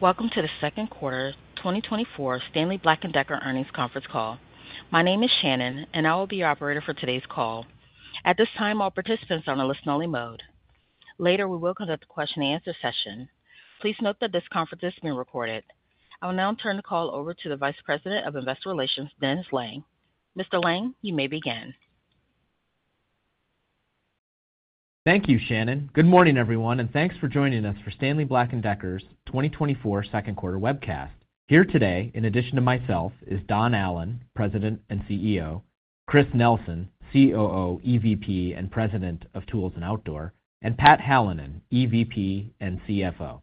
Welcome to the second quarter 2024 Stanley Black & Decker earnings conference call. My name is Shannon, and I will be your operator for today's call. At this time, all participants are on a listen-only mode. Later, we will conduct a question-and-answer session. Please note that this conference is being recorded. I will now turn the call over to the Vice President of Investor Relations, Dennis Lange. Mr. Lange, you may begin. Thank you, Shannon. Good morning, everyone, and thanks for joining us for Stanley Black & Decker's 2024 second quarter webcast. Here today, in addition to myself, is Don Allan, President and CEO, Chris Nelson, COO, EVP, and President of Tools and Outdoor, and Pat Hallinan, EVP and CFO.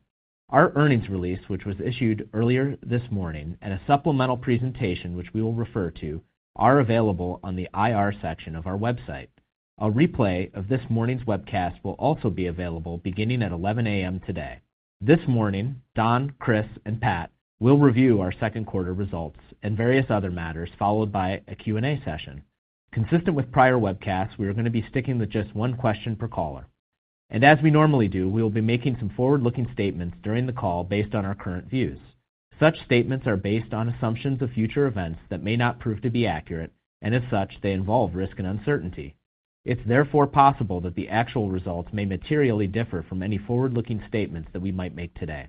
Our earnings release, which was issued earlier this morning, and a supplemental presentation, which we will refer to, are available on the IR section of our website. A replay of this morning's webcast will also be available beginning at 11:00 A.M. today. This morning, Don, Chris, and Pat will review our second quarter results and various other matters, followed by a Q&A session. Consistent with prior webcasts, we are going to be sticking with just one question per caller. As we normally do, we will be making some forward-looking statements during the call based on our current views. Such statements are based on assumptions of future events that may not prove to be accurate, and as such, they involve risk and uncertainty. It's therefore possible that the actual results may materially differ from any forward-looking statements that we might make today.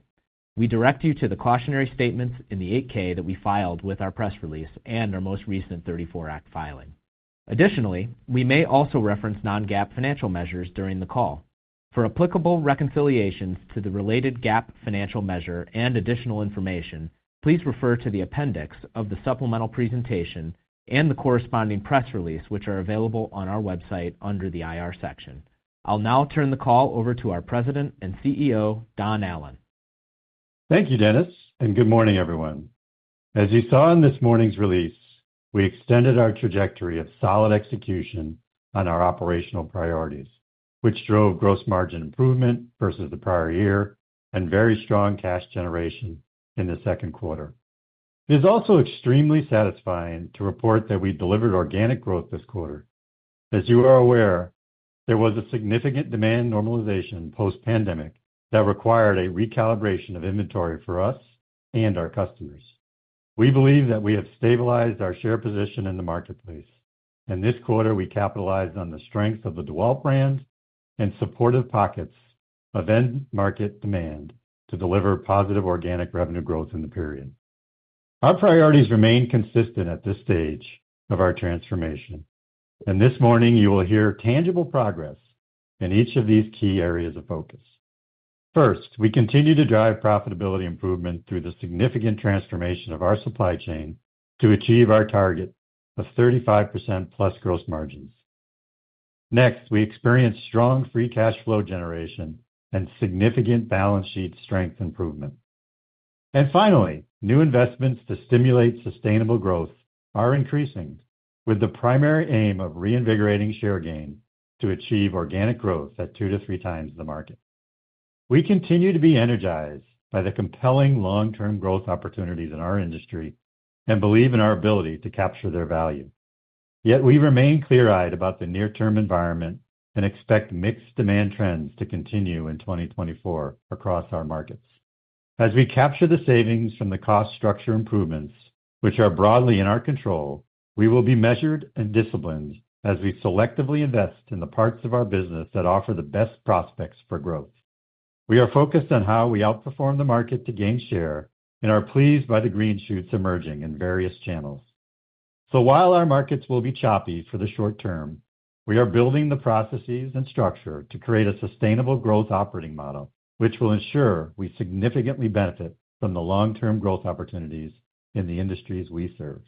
We direct you to the cautionary statements in the 8-K that we filed with our press release and our most recent 34 Act filing. Additionally, we may also reference non-GAAP financial measures during the call. For applicable reconciliations to the related GAAP financial measure and additional information, please refer to the appendix of the supplemental presentation and the corresponding press release, which are available on our website under the IR section. I'll now turn the call over to our President and CEO, Don Allan. Thank you, Dennis, and good morning, everyone. As you saw in this morning's release, we extended our trajectory of solid execution on our operational priorities, which drove gross margin improvement versus the prior year and very strong cash generation in the second quarter. It is also extremely satisfying to report that we delivered organic growth this quarter. As you are aware, there was a significant demand normalization post-pandemic that required a recalibration of inventory for us and our customers. We believe that we have stabilized our share position in the marketplace, and this quarter we capitalized on the strengths of the DEWALT brand and supportive pockets of end-market demand to deliver positive organic revenue growth in the period. Our priorities remain consistent at this stage of our transformation, and this morning you will hear tangible progress in each of these key areas of focus. First, we continue to drive profitability improvement through the significant transformation of our supply chain to achieve our target of 35% plus gross margins. Next, we experience strong free cash flow generation and significant balance sheet strength improvement. Finally, new investments to stimulate sustainable growth are increasing, with the primary aim of reinvigorating share gain to achieve organic growth at 2-3 times the market. We continue to be energized by the compelling long-term growth opportunities in our industry and believe in our ability to capture their value. Yet we remain clear-eyed about the near-term environment and expect mixed demand trends to continue in 2024 across our markets. As we capture the savings from the cost structure improvements, which are broadly in our control, we will be measured and disciplined as we selectively invest in the parts of our business that offer the best prospects for growth. We are focused on how we outperform the market to gain share and are pleased by the green shoots emerging in various channels. So while our markets will be choppy for the short term, we are building the processes and structure to create a sustainable growth operating model, which will ensure we significantly benefit from the long-term growth opportunities in the industries we serve.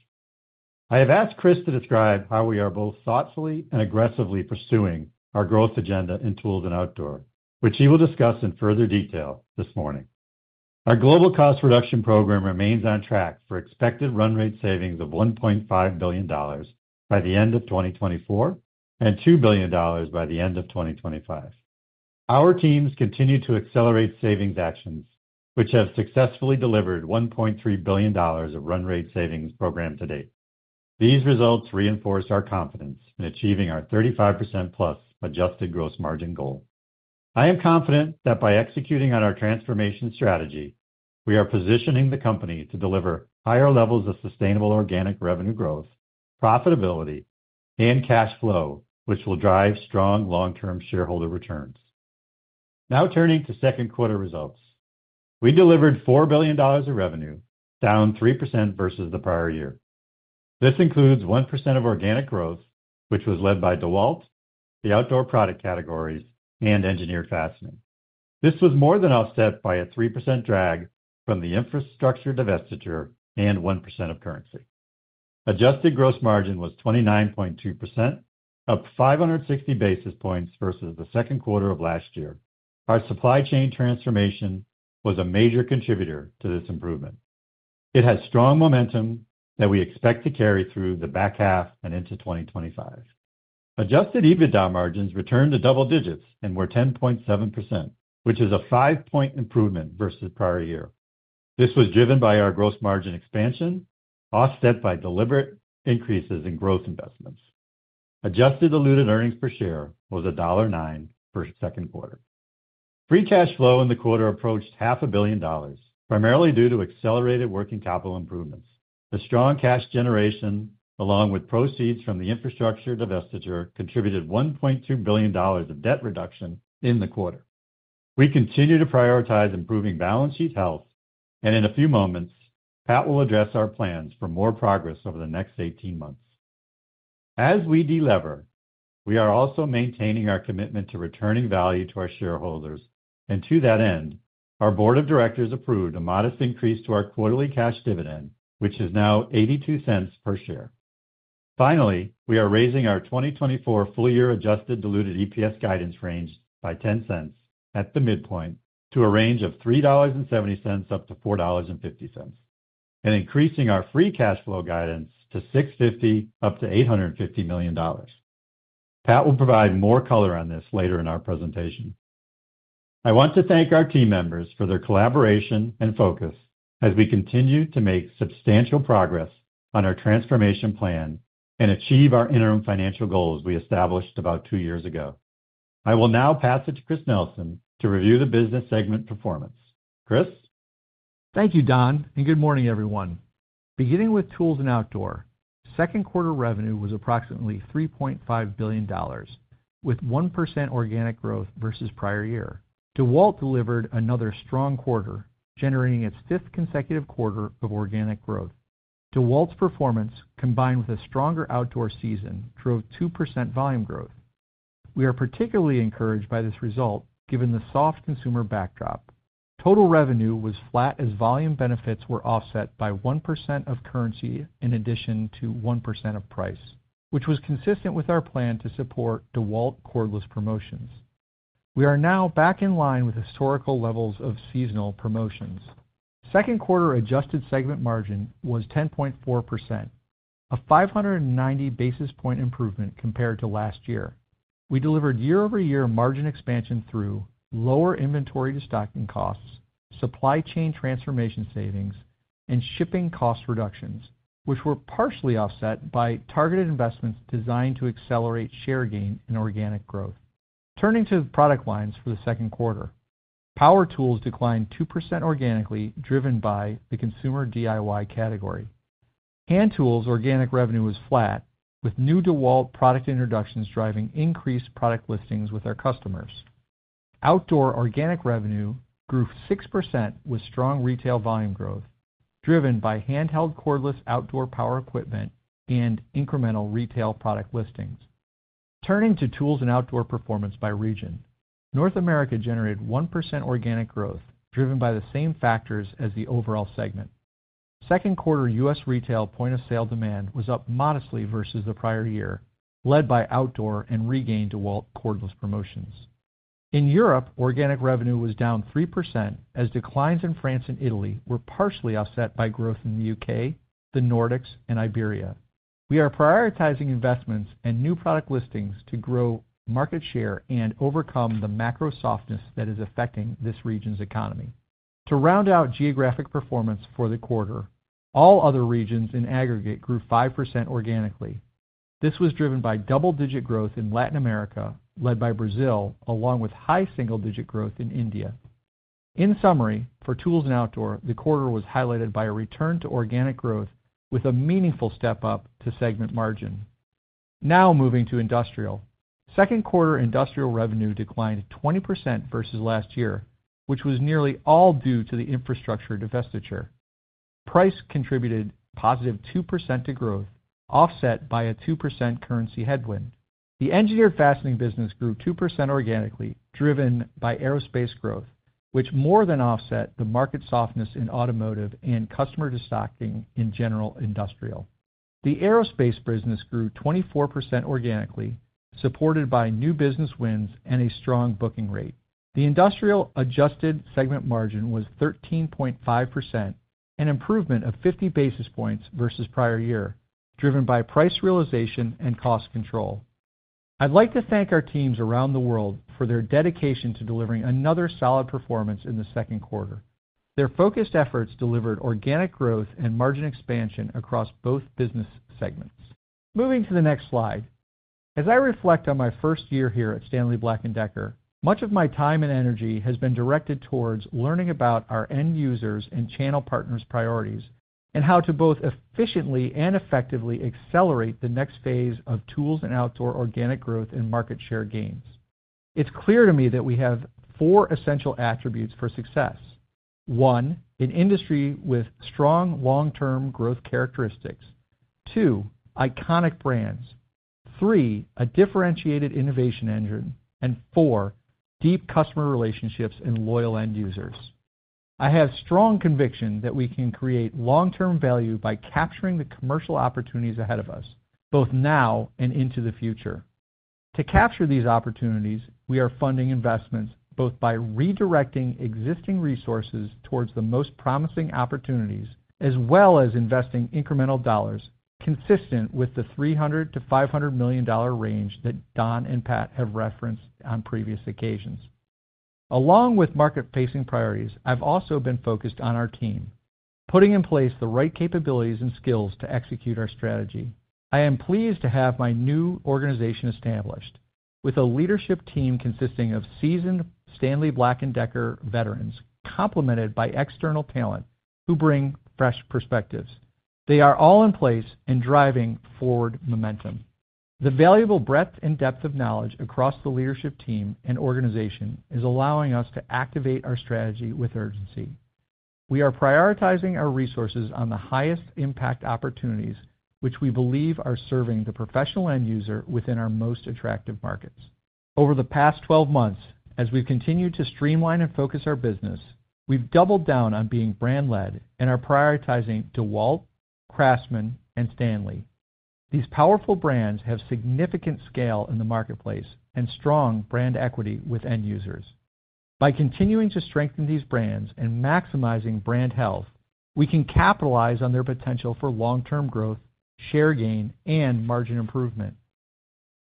I have asked Chris to describe how we are both thoughtfully and aggressively pursuing our growth agenda in Tools and Outdoor, which he will discuss in further detail this morning. Our global cost reduction program remains on track for expected run rate savings of $1.5 billion by the end of 2024 and $2 billion by the end of 2025. Our teams continue to accelerate savings actions, which have successfully delivered $1.3 billion of run rate savings program to date. These results reinforce our confidence in achieving our 35% plus adjusted gross margin goal. I am confident that by executing on our transformation strategy, we are positioning the company to deliver higher levels of sustainable organic revenue growth, profitability, and cash flow, which will drive strong long-term shareholder returns. Now turning to second quarter results, we delivered $4 billion of revenue, down 3% versus the prior year. This includes 1% of organic growth, which was led by DEWALT, the outdoor product categories, and Engineered Fastening. This was more than offset by a 3% drag from the infrastructure divestiture and 1% of currency. Adjusted gross margin was 29.2%, up 560 basis points versus the second quarter of last year. Our supply chain transformation was a major contributor to this improvement. It has strong momentum that we expect to carry through the back half and into 2025. Adjusted EBITDA margins returned to double digits and were 10.7%, which is a five-point improvement versus the prior year. This was driven by our gross margin expansion, offset by deliberate increases in growth investments. Adjusted diluted earnings per share was $1.09 in the second quarter. Free cash flow in the quarter approached $500 million, primarily due to accelerated working capital improvements. The strong cash generation, along with proceeds from the infrastructure divestiture, contributed $1.2 billion of debt reduction in the quarter. We continue to prioritize improving balance sheet health, and in a few moments, Pat will address our plans for more progress over the next 18 months. As we deliver, we are also maintaining our commitment to returning value to our shareholders, and to that end, our board of directors approved a modest increase to our quarterly cash dividend, which is now $0.82 per share. Finally, we are raising our 2024 full-year adjusted diluted EPS guidance range by $0.10 at the midpoint to a range of $3.70-$4.50, and increasing our free cash flow guidance to $650-$850 million. Pat will provide more color on this later in our presentation. I want to thank our team members for their collaboration and focus as we continue to make substantial progress on our transformation plan and achieve our interim financial goals we established about two years ago. I will now pass it to Chris Nelson to review the business segment performance. Chris? Thank you, Don, and good morning, everyone. Beginning with Tools and Outdoor, second quarter revenue was approximately $3.5 billion, with 1% organic growth versus prior year. DEWALT delivered another strong quarter, generating its fifth consecutive quarter of organic growth. DEWALT's performance, combined with a stronger outdoor season, drove 2% volume growth. We are particularly encouraged by this result, given the soft consumer backdrop. Total revenue was flat as volume benefits were offset by 1% of currency in addition to 1% of price, which was consistent with our plan to support DEWALT cordless promotions. We are now back in line with historical levels of seasonal promotions. Second quarter adjusted segment margin was 10.4%, a 590 basis point improvement compared to last year. We delivered year-over-year margin expansion through lower inventory destocking costs, supply chain transformation savings, and shipping cost reductions, which were partially offset by targeted investments designed to accelerate share gain and organic growth. Turning to the product lines for the second quarter, power tools declined 2% organically, driven by the consumer DIY category. Hand tools organic revenue was flat, with new DEWALT product introductions driving increased product listings with our customers. Outdoor organic revenue grew 6% with strong retail volume growth, driven by handheld cordless outdoor power equipment and incremental retail product listings. Turning to tools and outdoor performance by region, North America generated 1% organic growth, driven by the same factors as the overall segment. Second quarter U.S. retail point of sale demand was up modestly versus the prior year, led by outdoor and regained DEWALT cordless promotions. In Europe, organic revenue was down 3%, as declines in France and Italy were partially offset by growth in the UK, the Nordics, and Iberia. We are prioritizing investments and new product listings to grow market share and overcome the macro softness that is affecting this region's economy. To round out geographic performance for the quarter, all other regions in aggregate grew 5% organically. This was driven by double-digit growth in Latin America, led by Brazil, along with high single-digit growth in India. In summary, for tools and outdoor, the quarter was highlighted by a return to organic growth, with a meaningful step up to segment margin. Now moving to industrial, second quarter industrial revenue declined 20% versus last year, which was nearly all due to the infrastructure divestiture. Price contributed +2% to growth, offset by a -2% currency headwind. The Engineered Fastening business grew 2% organically, driven by aerospace growth, which more than offset the market softness in automotive and customer destocking in general industrial. The aerospace business grew 24% organically, supported by new business wins and a strong booking rate. The Industrial adjusted segment margin was 13.5%, an improvement of 50 basis points versus prior year, driven by price realization and cost control. I'd like to thank our teams around the world for their dedication to delivering another solid performance in the second quarter. Their focused efforts delivered organic growth and margin expansion across both business segments. Moving to the next slide. As I reflect on my first year here at Stanley Black & Decker, much of my time and energy has been directed towards learning about our end users and channel partners' priorities and how to both efficiently and effectively accelerate the next phase of tools and outdoor organic growth and market share gains. It's clear to me that we have four essential attributes for success. One, an industry with strong long-term growth characteristics. Two, iconic brands. Three, a differentiated innovation engine. And four, deep customer relationships and loyal end users. I have strong conviction that we can create long-term value by capturing the commercial opportunities ahead of us, both now and into the future. To capture these opportunities, we are funding investments both by redirecting existing resources towards the most promising opportunities, as well as investing incremental dollars consistent with the $300-$500 million range that Don and Pat have referenced on previous occasions. Along with market-facing priorities, I've also been focused on our team, putting in place the right capabilities and skills to execute our strategy. I am pleased to have my new organization established, with a leadership team consisting of seasoned Stanley Black & Decker veterans, complemented by external talent who bring fresh perspectives. They are all in place and driving forward momentum. The valuable breadth and depth of knowledge across the leadership team and organization is allowing us to activate our strategy with urgency. We are prioritizing our resources on the highest impact opportunities, which we believe are serving the professional end user within our most attractive markets. Over the past 12 months, as we've continued to streamline and focus our business, we've doubled down on being brand-led and are prioritizing DEWALT, CRAFTSMAN, and STANLEY. These powerful brands have significant scale in the marketplace and strong brand equity with end users. By continuing to strengthen these brands and maximizing brand health, we can capitalize on their potential for long-term growth, share gain, and margin improvement.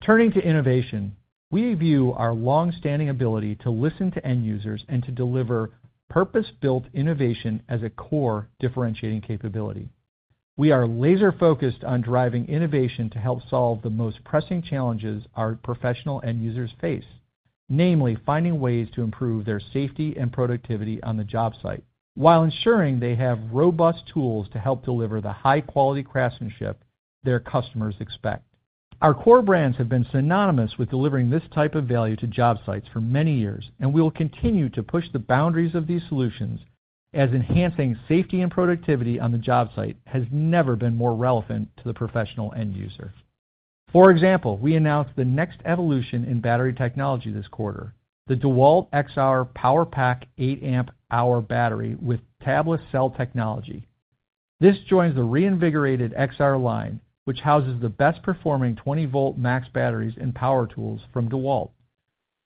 Turning to innovation, we view our long-standing ability to listen to end users and to deliver purpose-built innovation as a core differentiating capability. We are laser-focused on driving innovation to help solve the most pressing challenges our professional end users face, namely finding ways to improve their safety and productivity on the job site, while ensuring they have robust tools to help deliver the high-quality craftsmanship their customers expect. Our core brands have been synonymous with delivering this type of value to job sites for many years, and we will continue to push the boundaries of these solutions, as enhancing safety and productivity on the job site has never been more relevant to the professional end user. For example, we announced the next evolution in battery technology this quarter, the DEWALT XR POWERPACK 8 Ah battery with tabless cell technology. This joins the reinvigorated XR line, which houses the best-performing 20-volt max batteries and power tools from DEWALT.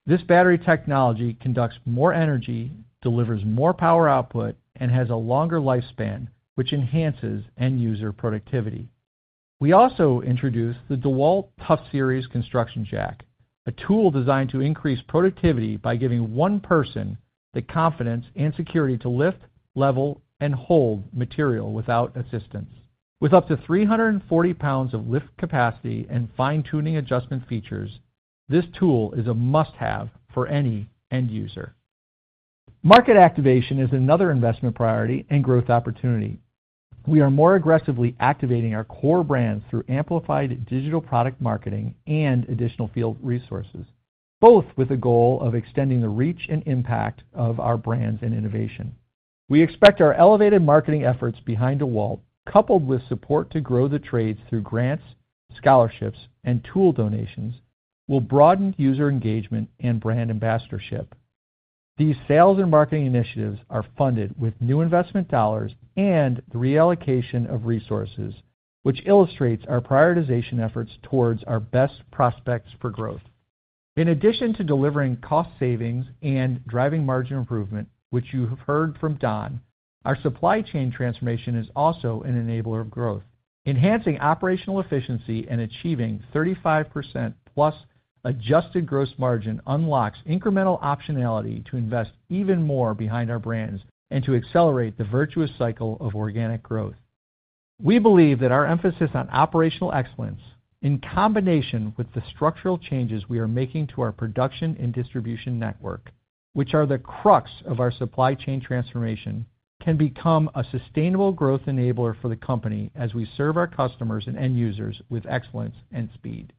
This battery technology conducts more energy, delivers more power output, and has a longer lifespan, which enhances end user productivity. We also introduced the DEWALT TOUGHSERIES Construction Jack, a tool designed to increase productivity by giving one person the confidence and security to lift, level, and hold material without assistance. With up to 340 pounds of lift capacity and fine-tuning adjustment features, this tool is a must-have for any end user. Market activation is another investment priority and growth opportunity. We are more aggressively activating our core brands through amplified digital product marketing and additional field resources, both with the goal of extending the reach and impact of our brands and innovation. We expect our elevated marketing efforts behind DEWALT, coupled with support to grow the trades through grants, scholarships, and tool donations, will broaden user engagement and brand ambassadorship. These sales and marketing initiatives are funded with new investment dollars and the reallocation of resources, which illustrates our prioritization efforts towards our best prospects for growth. In addition to delivering cost savings and driving margin improvement, which you have heard from Don, our supply chain transformation is also an enabler of growth. Enhancing operational efficiency and achieving 35%+ adjusted gross margin unlocks incremental optionality to invest even more behind our brands and to accelerate the virtuous cycle of organic growth. We believe that our emphasis on operational excellence, in combination with the structural changes we are making to our production and distribution network, which are the crux of our supply chain transformation, can become a sustainable growth enabler for the company as we serve our customers and end users with excellence and speed.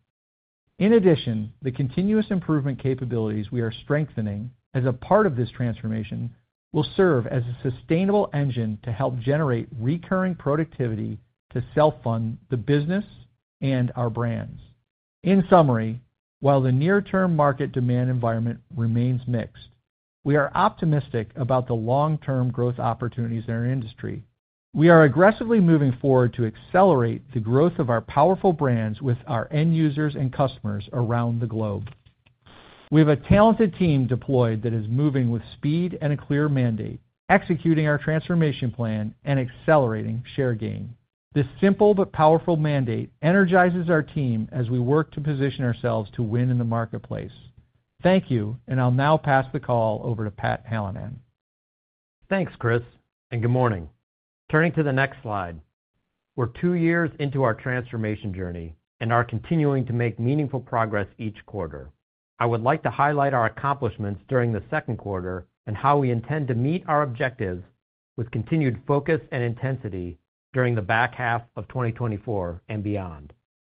In addition, the continuous improvement capabilities we are strengthening as a part of this transformation will serve as a sustainable engine to help generate recurring productivity to self-fund the business and our brands. In summary, while the near-term market demand environment remains mixed, we are optimistic about the long-term growth opportunities in our industry. We are aggressively moving forward to accelerate the growth of our powerful brands with our end users and customers around the globe. We have a talented team deployed that is moving with speed and a clear mandate, executing our transformation plan and accelerating share gain. This simple but powerful mandate energizes our team as we work to position ourselves to win in the marketplace. Thank you, and I'll now pass the call over to Pat Hallinan. Thanks, Chris, and good morning. Turning to the next slide, we're two years into our transformation journey and are continuing to make meaningful progress each quarter. I would like to highlight our accomplishments during the second quarter and how we intend to meet our objectives with continued focus and intensity during the back half of 2024 and beyond.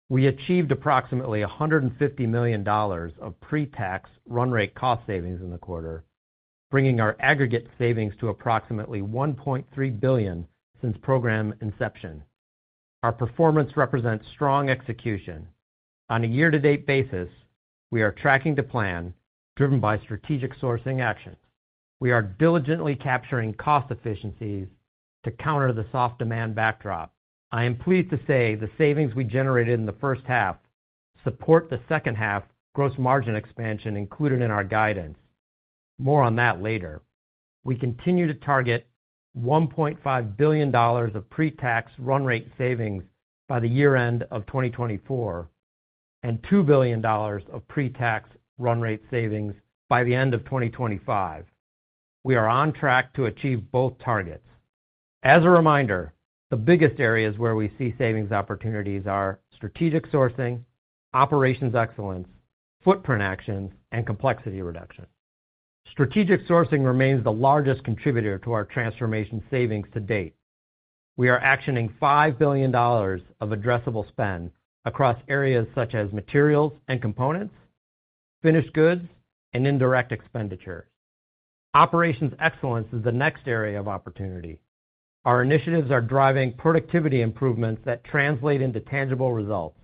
We achieved approximately $150 million of pre-tax run rate cost savings in the quarter, bringing our aggregate savings to approximately $1.3 billion since program inception. Our performance represents strong execution. On a year-to-date basis, we are tracking the plan driven by strategic sourcing actions. We are diligently capturing cost efficiencies to counter the soft demand backdrop. I am pleased to say the savings we generated in the first half support the second half gross margin expansion included in our guidance. More on that later. We continue to target $1.5 billion of pre-tax run rate savings by the year-end of 2024 and $2 billion of pre-tax run rate savings by the end of 2025. We are on track to achieve both targets. As a reminder, the biggest areas where we see savings opportunities are strategic sourcing, operations excellence, footprint actions, and complexity reduction. Strategic sourcing remains the largest contributor to our transformation savings to date. We are actioning $5 billion of addressable spend across areas such as materials and components, finished goods, and indirect expenditures. Operations excellence is the next area of opportunity. Our initiatives are driving productivity improvements that translate into tangible results.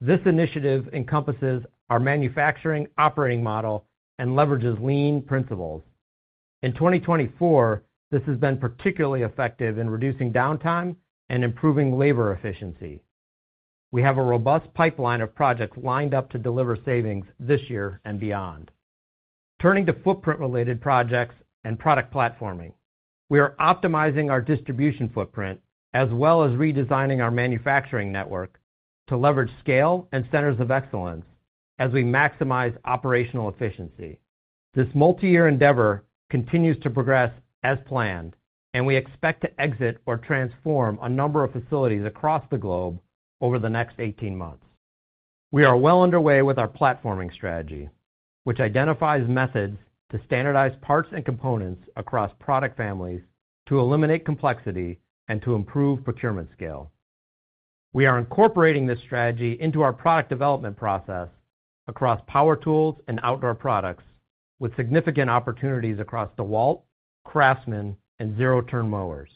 This initiative encompasses our manufacturing operating model and leverages lean principles. In 2024, this has been particularly effective in reducing downtime and improving labor efficiency. We have a robust pipeline of projects lined up to deliver savings this year and beyond. Turning to footprint-related projects and product platforming, we are optimizing our distribution footprint as well as redesigning our manufacturing network to leverage scale and centers of excellence as we maximize operational efficiency. This multi-year endeavor continues to progress as planned, and we expect to exit or transform a number of facilities across the globe over the next 18 months. We are well underway with our platforming strategy, which identifies methods to standardize parts and components across product families to eliminate complexity and to improve procurement scale. We are incorporating this strategy into our product development process across power tools and outdoor products, with significant opportunities across DEWALT, CRAFTSMAN, and zero turn mowers.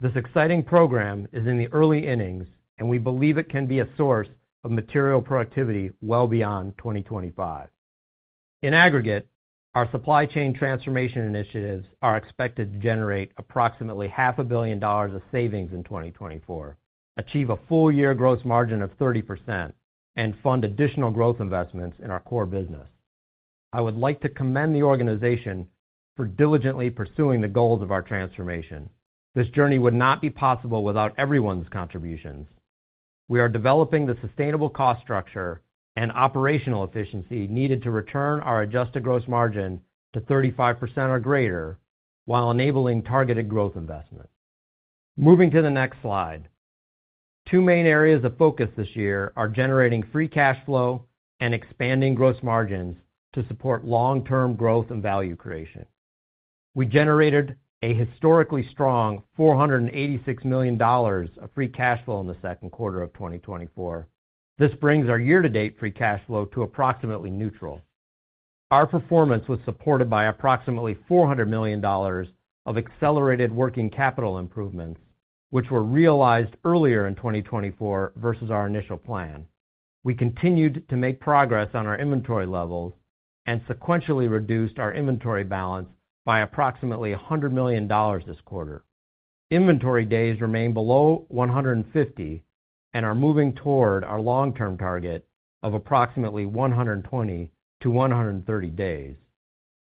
This exciting program is in the early innings, and we believe it can be a source of material productivity well beyond 2025. In aggregate, our supply chain transformation initiatives are expected to generate approximately $500 million of savings in 2024, achieve a full-year gross margin of 30%, and fund additional growth investments in our core business. I would like to commend the organization for diligently pursuing the goals of our transformation. This journey would not be possible without everyone's contributions. We are developing the sustainable cost structure and operational efficiency needed to return our adjusted gross margin to 35% or greater while enabling targeted growth investment. Moving to the next slide, two main areas of focus this year are generating free cash flow and expanding gross margins to support long-term growth and value creation. We generated a historically strong $486 million of free cash flow in the second quarter of 2024. This brings our year-to-date free cash flow to approximately neutral. Our performance was supported by approximately $400 million of accelerated working capital improvements, which were realized earlier in 2024 versus our initial plan. We continued to make progress on our inventory levels and sequentially reduced our inventory balance by approximately $100 million this quarter. Inventory days remain below 150 and are moving toward our long-term target of approximately 120 to 130 days.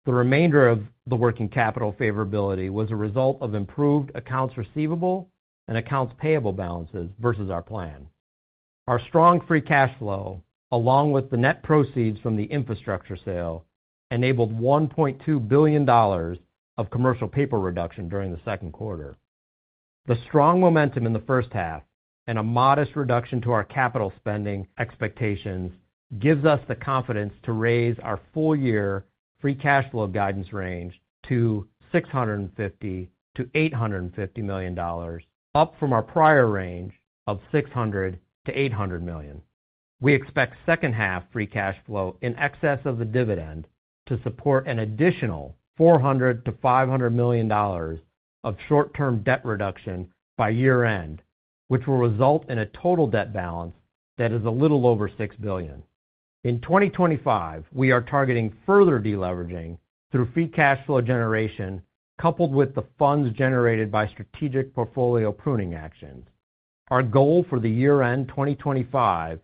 The remainder of the working capital favorability was a result of improved accounts receivable and accounts payable balances versus our plan. Our strong free cash flow, along with the net proceeds from the infrastructure sale, enabled $1.2 billion of commercial paper reduction during the second quarter. The strong momentum in the first half and a modest reduction to our capital spending expectations gives us the confidence to raise our full-year free cash flow guidance range to $650 million-$850 million, up from our prior range of $600 million-$800 million. We expect second-half free cash flow in excess of the dividend to support an additional $400 million-$500 million of short-term debt reduction by year-end, which will result in a total debt balance that is a little over $6 billion. In 2025, we are targeting further deleveraging through free cash flow generation coupled with the funds generated by strategic portfolio pruning actions. Our goal for the year-end 2025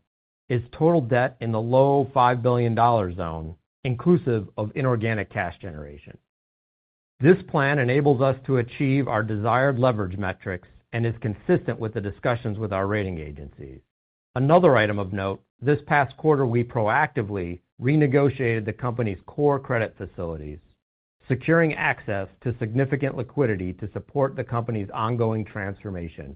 is total debt in the low $5 billion zone, inclusive of inorganic cash generation. This plan enables us to achieve our desired leverage metrics and is consistent with the discussions with our rating agencies. Another item of note, this past quarter we proactively renegotiated the company's core credit facilities, securing access to significant liquidity to support the company's ongoing transformation.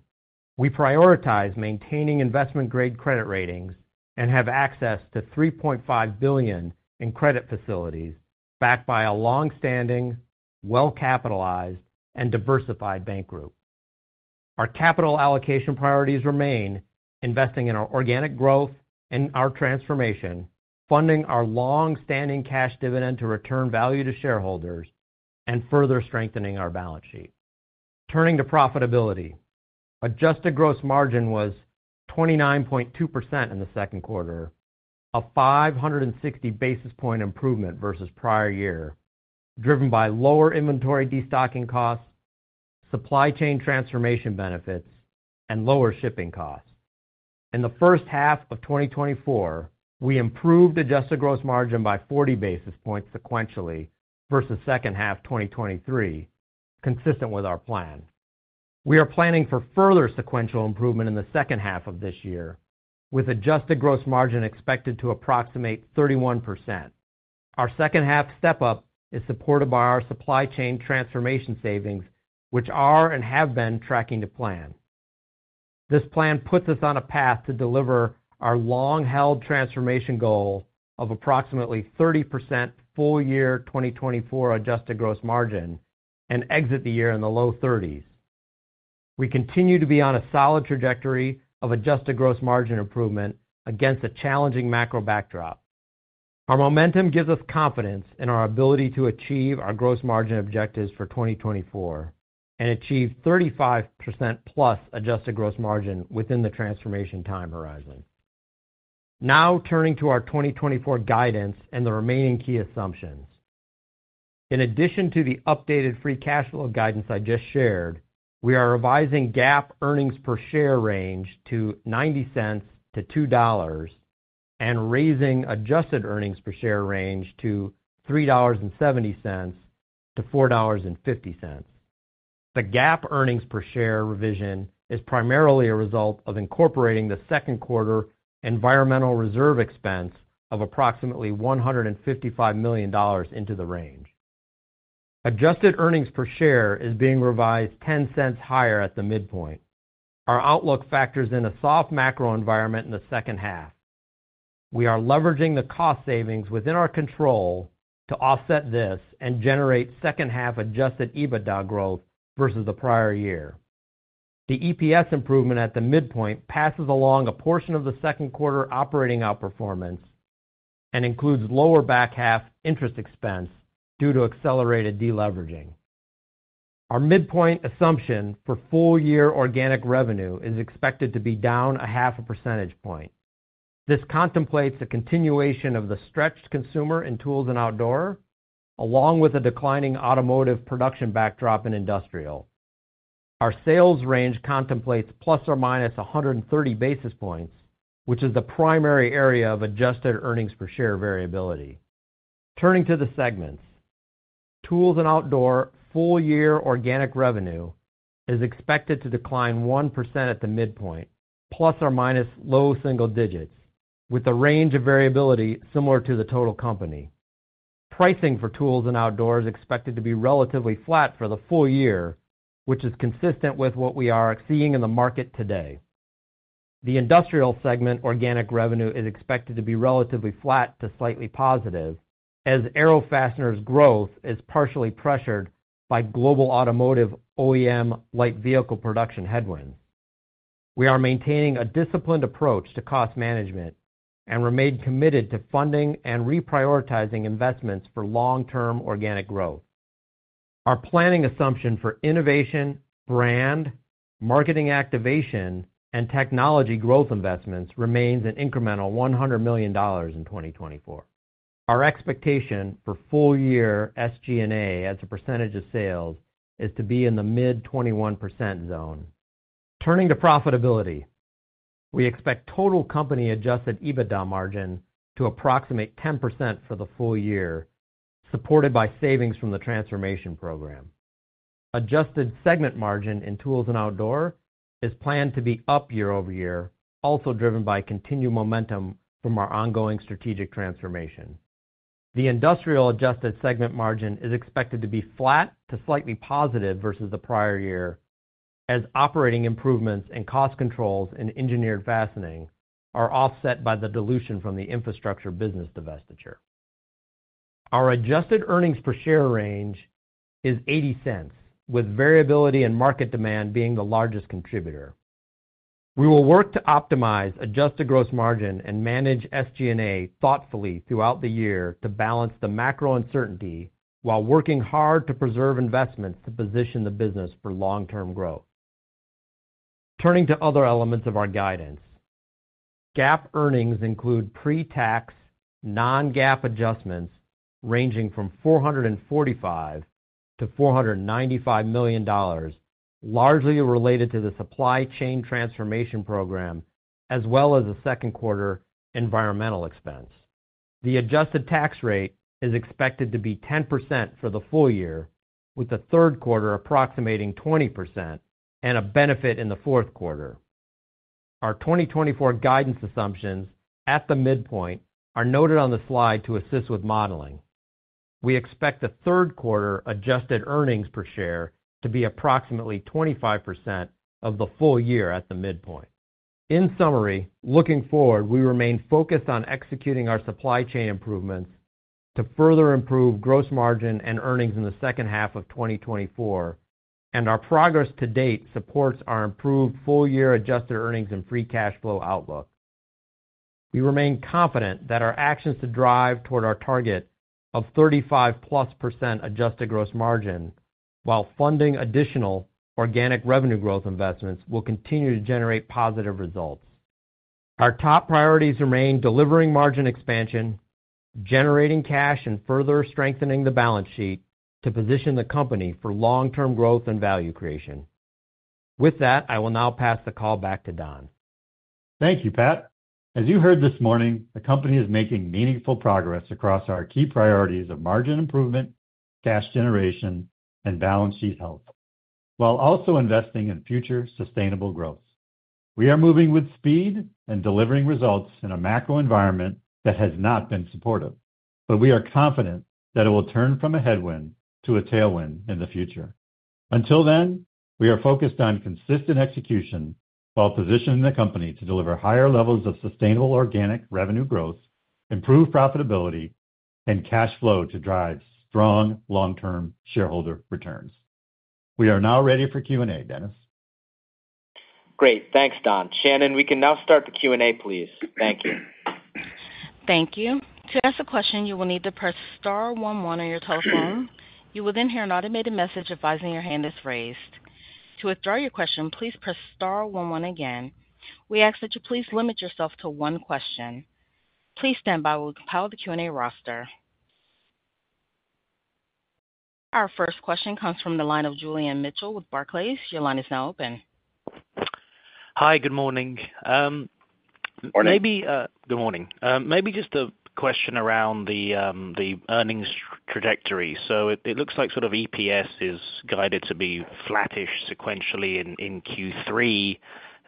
We prioritize maintaining investment-grade credit ratings and have access to $3.5 billion in credit facilities backed by a long-standing, well-capitalized, and diversified bank group. Our capital allocation priorities remain investing in our organic growth and our transformation, funding our long-standing cash dividend-to-return value to shareholders, and further strengthening our balance sheet. Turning to profitability, adjusted gross margin was 29.2% in the second quarter, a 560 basis point improvement versus prior year, driven by lower inventory destocking costs, supply chain transformation benefits, and lower shipping costs. In the first half of 2024, we improved adjusted gross margin by 40 basis points sequentially versus second half 2023, consistent with our plan. We are planning for further sequential improvement in the second half of this year, with adjusted gross margin expected to approximate 31%. Our second-half step-up is supported by our supply chain transformation savings, which are and have been tracking the plan. This plan puts us on a path to deliver our long-held transformation goal of approximately 30% full-year 2024 adjusted gross margin and exit the year in the low 30s. We continue to be on a solid trajectory of adjusted gross margin improvement against a challenging macro backdrop. Our momentum gives us confidence in our ability to achieve our gross margin objectives for 2024 and achieve 35%+ adjusted gross margin within the transformation time horizon. Now turning to our 2024 guidance and the remaining key assumptions. In addition to the updated free cash flow guidance I just shared, we are revising GAAP earnings per share range to $0.90-$2 and raising adjusted earnings per share range to $3.70-$4.50. The GAAP earnings per share revision is primarily a result of incorporating the second quarter environmental reserve expense of approximately $155 million into the range. Adjusted earnings per share is being revised $0.10 higher at the midpoint. Our outlook factors in a soft macro environment in the second half. We are leveraging the cost savings within our control to offset this and generate second-half adjusted EBITDA growth versus the prior year. The EPS improvement at the midpoint passes along a portion of the second quarter operating outperformance and includes lower back half interest expense due to accelerated deleveraging. Our midpoint assumption for full-year organic revenue is expected to be down half a percentage point. This contemplates a continuation of the stretched consumer in Tools and Outdoor, along with a declining automotive production backdrop in Industrial. Our sales range contemplates ±130 basis points, which is the primary area of adjusted earnings per share variability. Turning to the segments, Tools and Outdoor full-year organic revenue is expected to decline 1% at the midpoint, ± low single digits, with a range of variability similar to the total company. Pricing for Tools and Outdoor is expected to be relatively flat for the full year, which is consistent with what we are seeing in the market today. The Industrial segment organic revenue is expected to be relatively flat to slightly positive, as Aero Fastener's growth is partially pressured by global automotive OEM light vehicle production headwinds. We are maintaining a disciplined approach to cost management and remain committed to funding and reprioritizing investments for long-term organic growth. Our planning assumption for innovation, brand, marketing activation, and technology growth investments remains an incremental $100 million in 2024. Our expectation for full-year SG&A as a percentage of sales is to be in the mid-21% zone. Turning to profitability, we expect total company adjusted EBITDA margin to approximate 10% for the full year, supported by savings from the transformation program. Adjusted segment margin in tools and outdoor is planned to be up year-over-year, also driven by continued momentum from our ongoing strategic transformation. The industrial adjusted segment margin is expected to be flat to slightly positive versus the prior year, as operating improvements and cost controls in engineered fastening are offset by the dilution from the infrastructure business divestiture. Our adjusted earnings per share range is $0.80, with variability and market demand being the largest contributor. We will work to optimize adjusted gross margin and manage SG&A thoughtfully throughout the year to balance the macro uncertainty while working hard to preserve investments to position the business for long-term growth. Turning to other elements of our guidance, GAAP earnings include pre-tax non-GAAP adjustments ranging from $445 million-$495 million, largely related to the supply chain transformation program, as well as the second quarter environmental expense. The adjusted tax rate is expected to be 10% for the full year, with the third quarter approximating 20% and a benefit in the fourth quarter. Our 2024 guidance assumptions at the midpoint are noted on the slide to assist with modeling. We expect the third quarter adjusted earnings per share to be approximately 25% of the full year at the midpoint. In summary, looking forward, we remain focused on executing our supply chain improvements to further improve gross margin and earnings in the second half of 2024, and our progress to date supports our improved full-year adjusted earnings and free cash flow outlook. We remain confident that our actions to drive toward our target of 35%+ adjusted gross margin while funding additional organic revenue growth investments will continue to generate positive results. Our top priorities remain delivering margin expansion, generating cash, and further strengthening the balance sheet to position the company for long-term growth and value creation. With that, I will now pass the call back to Don. Thank you, Pat. As you heard this morning, the company is making meaningful progress across our key priorities of margin improvement, cash generation, and balance sheet health, while also investing in future sustainable growth. We are moving with speed and delivering results in a macro environment that has not been supportive, but we are confident that it will turn from a headwind to a tailwind in the future. Until then, we are focused on consistent execution while positioning the company to deliver higher levels of sustainable organic revenue growth, improved profitability, and cash flow to drive strong long-term shareholder returns. We are now ready for Q&A, Dennis. Great. Thanks, Don. Shannon, we can now start the Q&A, please. Thank you. Thank you. To ask a question, you will need to press *1 1 on your telephone. You will then hear an automated message advising your hand is raised. To withdraw your question, please press *1 1 again. We ask that you please limit yourself to one question. Please stand by while we compile the Q&A roster. Our first question comes from the line of Julian Mitchell with Barclays. Your line is now open. Hi, good morning. Good morning. Good morning. Maybe just a question around the earnings trajectory. So it looks like sort of EPS is guided to be flattish sequentially in Q3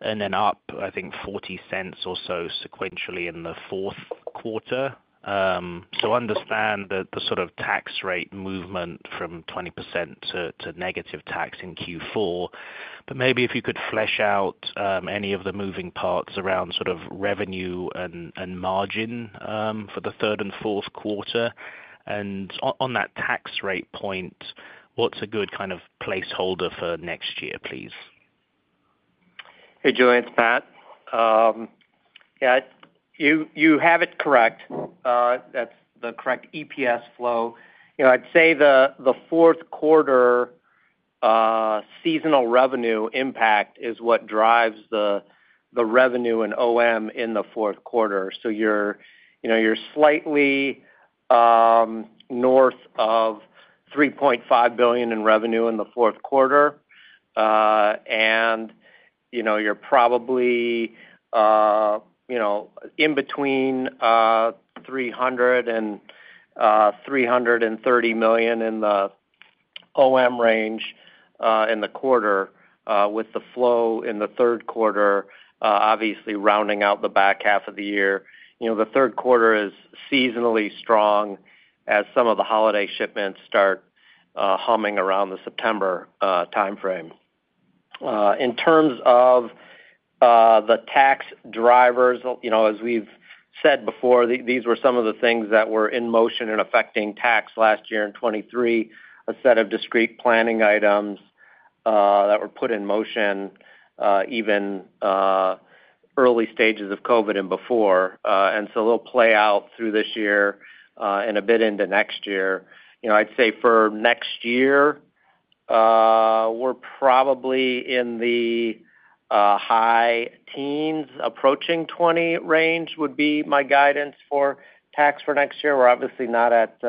and then up, I think, $0.40 or so sequentially in the fourth quarter. So I understand the sort of tax rate movement from 20% to negative tax in Q4, but maybe if you could flesh out any of the moving parts around sort of revenue and margin for the third and fourth quarter. And on that tax rate point, what's a good kind of placeholder for next year, please? Hey, Julian, it's Pat. Yeah, you have it correct. That's the correct EPS flow. I'd say the fourth quarter seasonal revenue impact is what drives the revenue and OM in the fourth quarter. So you're slightly north of $3.5 billion in revenue in the fourth quarter, and you're probably in between $300-$330 million in the OM range in the quarter, with the flow in the third quarter obviously rounding out the back half of the year. The third quarter is seasonally strong as some of the holiday shipments start humming around the September timeframe. In terms of the tax drivers, as we've said before, these were some of the things that were in motion and affecting tax last year in 2023, a set of discrete planning items that were put in motion even early stages of COVID and before. And so they'll play out through this year and a bit into next year. I'd say for next year, we're probably in the high teens, approaching 20 range would be my guidance for tax for next year. We're obviously not at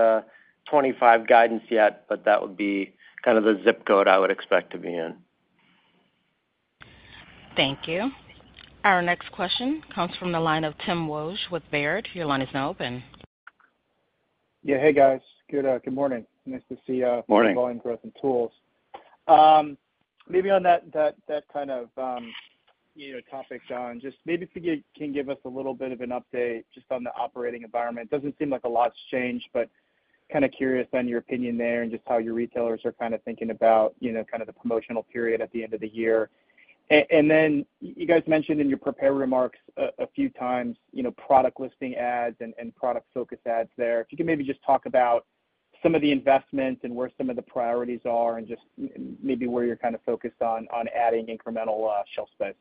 25 guidance yet, but that would be kind of the zip code I would expect to be in. Thank you. Our next question comes from the line of Timothy Wojs with Baird. Your line is now open. Yeah. Hey, guys. Good morning. Nice to see you going for us in tools. Maybe on that kind of topic, Don, just maybe if you can give us a little bit of an update just on the operating environment. It doesn't seem like a lot's changed, but kind of curious on your opinion there and just how your retailers are kind of thinking about kind of the promotional period at the end of the year. And then you guys mentioned in your prepared remarks a few times product listing ads and product-focused ads there. If you can maybe just talk about some of the investments and where some of the priorities are and just maybe where you're kind of focused on adding incremental shelf space?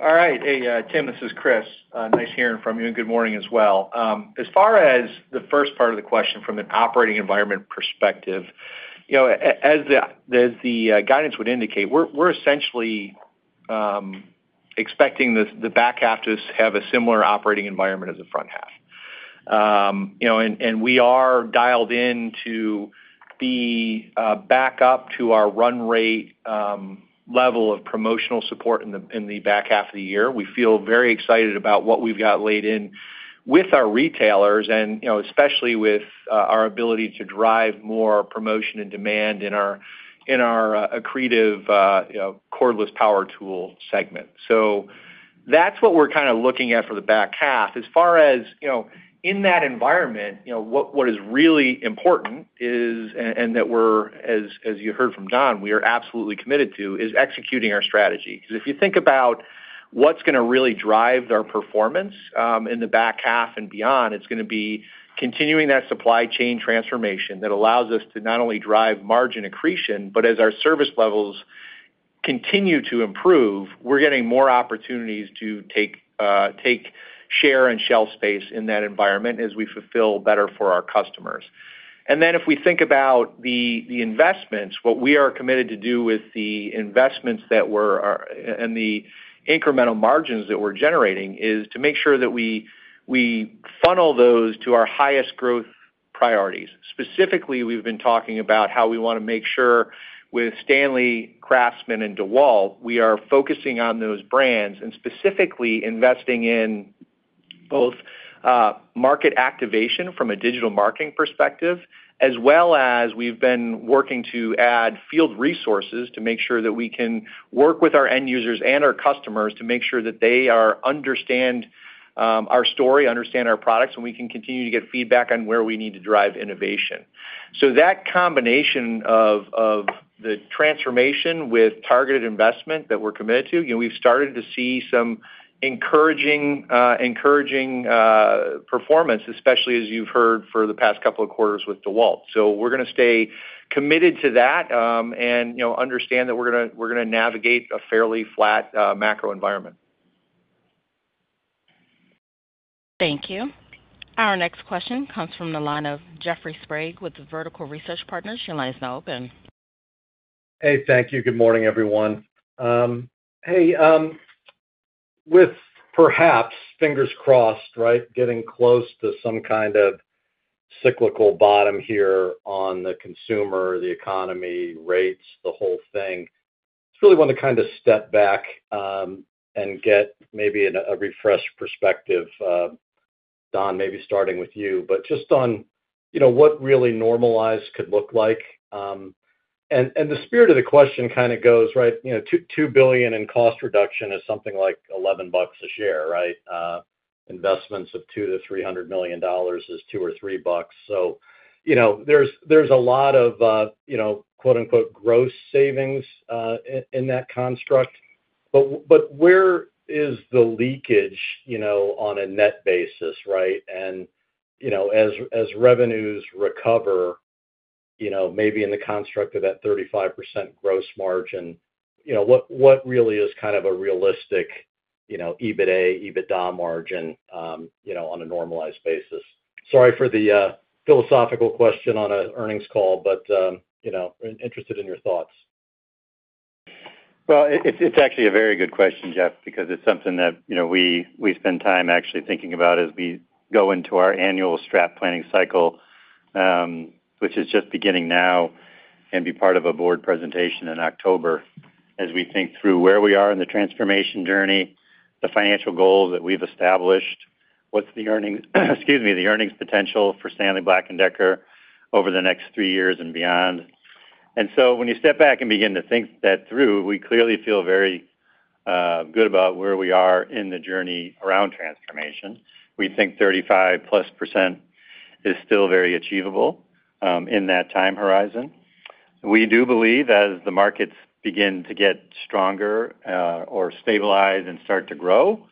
All right. Hey, Tim, this is Chris. Nice hearing from you and good morning as well. As far as the first part of the question from an operating environment perspective, as the guidance would indicate, we're essentially expecting the back half to have a similar operating environment as the front half. We are dialed in to be back up to our run rate level of promotional support in the back half of the year. We feel very excited about what we've got laid in with our retailers and especially with our ability to drive more promotion and demand in our accretive cordless power tool segment. So that's what we're kind of looking at for the back half. As far as in that environment, what is really important is, and that we're, as you heard from Don, we are absolutely committed to, is executing our strategy. Because if you think about what's going to really drive our performance in the back half and beyond, it's going to be continuing that supply chain transformation that allows us to not only drive margin accretion, but as our service levels continue to improve, we're getting more opportunities to take share and shelf space in that environment as we fulfill better for our customers. And then if we think about the investments, what we are committed to do with the investments that we're and the incremental margins that we're generating is to make sure that we funnel those to our highest growth priorities. Specifically, we've been talking about how we want to make sure with STANLEY, CRAFTSMAN, and DEWALT, we are focusing on those brands and specifically investing in both market activation from a digital marketing perspective, as well as we've been working to add field resources to make sure that we can work with our end users and our customers to make sure that they understand our story, understand our products, and we can continue to get feedback on where we need to drive innovation. So that combination of the transformation with targeted investment that we're committed to, we've started to see some encouraging performance, especially as you've heard for the past couple of quarters with DEWALT. So we're going to stay committed to that and understand that we're going to navigate a fairly flat macro environment. Thank you. Our next question comes from the line of Jeffrey Sprague with Vertical Research Partners. Your line is now open. Hey, thank you. Good morning, everyone. Hey, with perhaps fingers crossed, right, getting close to some kind of cyclical bottom here on the consumer, the economy, rates, the whole thing, it's really wanted to kind of step back and get maybe a refreshed perspective. Don, maybe starting with you, but just on what really normalized could look like. And the spirit of the question kind of goes, right, $2 billion in cost reduction is something like $11 a share, right? Investments of $200 million-$300 million is $200 or $300. So there's a lot of quote-unquote gross savings in that construct. But where is the leakage on a net basis, right? And as revenues recover, maybe in the construct of that 35% gross margin, what really is kind of a realistic EBITDA margin on a normalized basis? Sorry for the philosophical question on an earnings call, but interested in your thoughts. Well, it's actually a very good question, Jeff, because it's something that we spend time actually thinking about as we go into our annual strat planning cycle, which is just beginning now, and be part of a board presentation in October as we think through where we are in the transformation journey, the financial goals that we've established, what's the earnings—excuse me—the earnings potential for Stanley Black & Decker over the next three years and beyond. And so when you step back and begin to think that through, we clearly feel very good about where we are in the journey around transformation. We think 35%+ is still very achievable in that time horizon. We do believe as the markets begin to get stronger or stabilize and start to grow,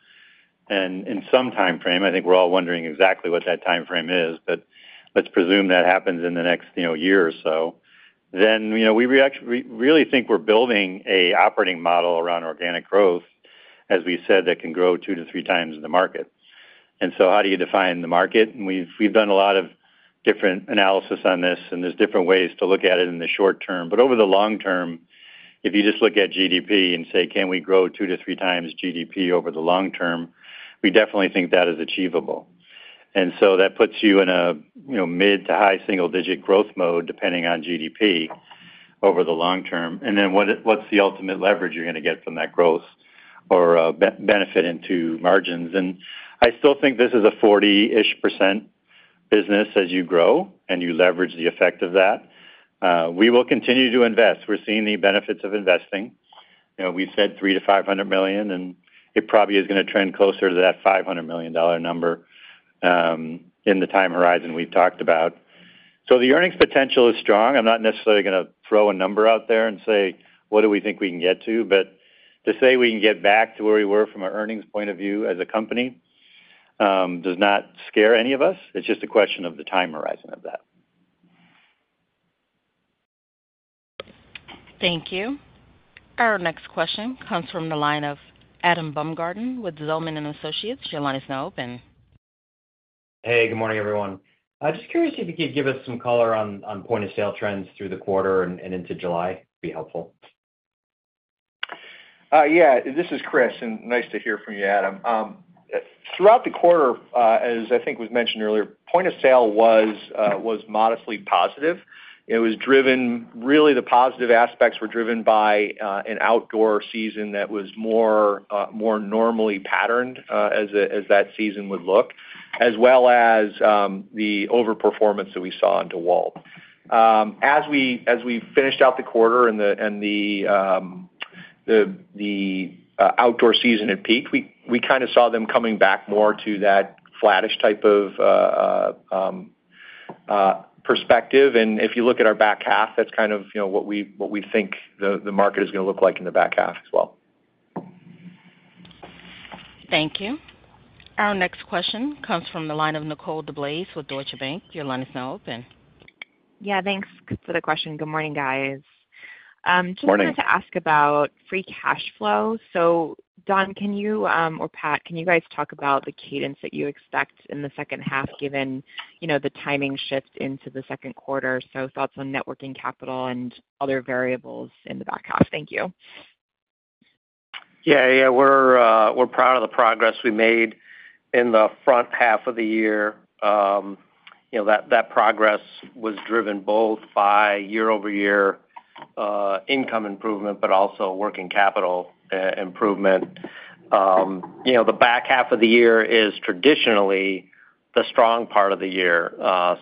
and in some timeframe, I think we're all wondering exactly what that timeframe is, but let's presume that happens in the next year or so, then we really think we're building an operating model around organic growth, as we said, that can grow 2-3 times the market. So how do you define the market? We've done a lot of different analysis on this, and there's different ways to look at it in the short term. But over the long term, if you just look at GDP and say, "Can we grow 2-3 times GDP over the long term?" we definitely think that is achievable. And so that puts you in a mid to high single-digit growth mode depending on GDP over the long term. And then what's the ultimate leverage you're going to get from that growth or benefit into margins? And I still think this is a 40-ish% business as you grow and you leverage the effect of that. We will continue to invest. We're seeing the benefits of investing. We've said $300-$500 million, and it probably is going to trend closer to that $500 million number in the time horizon we've talked about. So the earnings potential is strong. I'm not necessarily going to throw a number out there and say, "What do we think we can get to?" But to say we can get back to where we were from an earnings point of view as a company does not scare any of us. It's just a question of the time horizon of that. Thank you. Our next question comes from the line of Adam Baumgarten with Zelman & Associates. Your line is now open. Hey, good morning, everyone. Just curious if you could give us some color on point of sale trends through the quarter and into July. It'd be helpful. Yeah, this is Chris, and nice to hear from you, Adam. Throughout the quarter, as I think was mentioned earlier, point of sale was modestly positive. It was driven, really, the positive aspects were driven by an outdoor season that was more normally patterned as that season would look, as well as the overperformance that we saw in DEWALT. As we finished out the quarter and the outdoor season had peaked, we kind of saw them coming back more to that flattish type of perspective. And if you look at our back half, that's kind of what we think the market is going to look like in the back half as well. Thank you. Our next question comes from the line of Nicole DeBlase with Deutsche Bank. Your line is now open. Yeah, thanks for the question. Good morning, guys. Good morning. Just wanted to ask about free cash flow. So, Don, can you or Pat, can you guys talk about the cadence that you expect in the second half given the timing shift into the second quarter? So thoughts on working capital and other variables in the back half. Thank you. Yeah, yeah. We're proud of the progress we made in the front half of the year. That progress was driven both by year-over-year income improvement, but also working capital improvement. The back half of the year is traditionally the strong part of the year.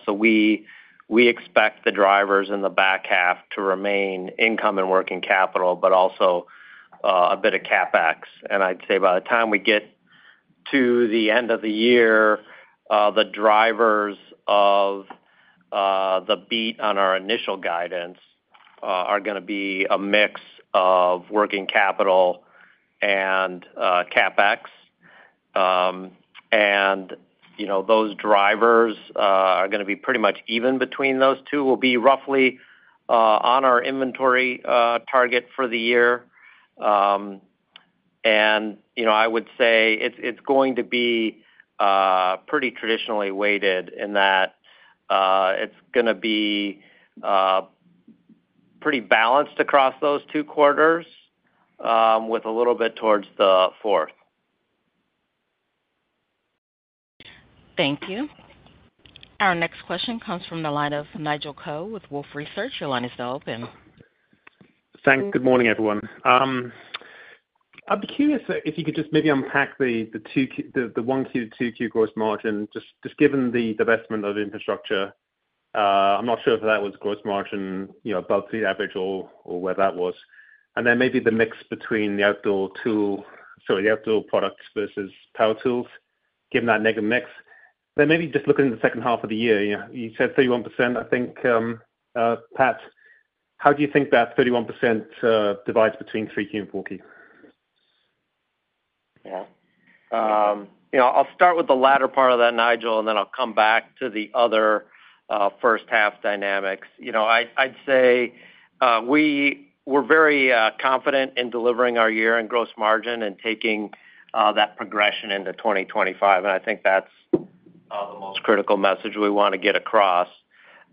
So we expect the drivers in the back half to remain income and working capital, but also a bit of CapEx. And I'd say by the time we get to the end of the year, the drivers of the beat on our initial guidance are going to be a mix of working capital and CapEx. And those drivers are going to be pretty much even between those two. We'll be roughly on our inventory target for the year. And I would say it's going to be pretty traditionally weighted in that it's going to be pretty balanced across those two quarters with a little bit towards the fourth. Thank you. Our next question comes from the line of Nigel Coe with Wolfe Research. Your line is now open. Thanks. Good morning, everyone. I'd be curious if you could just maybe unpack the Q1, Q2 gross margin, just given the divestment of infrastructure. I'm not sure if that was gross margin above the average or where that was. And then maybe the mix between the outdoor tool, sorry, the outdoor products versus power tools, given that negative mix. Then maybe just looking at the second half of the year, you said 31%, I think. Pat, how do you think that 31% divides between Q3 and Q4? Yeah. I'll start with the latter part of that, Nigel, and then I'll come back to the other first-half dynamics. I'd say we're very confident in delivering our year and gross margin and taking that progression into 2025. And I think that's the most critical message we want to get across.